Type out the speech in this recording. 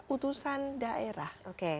putusan daerah oke